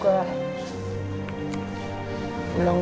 kemaren belum pulang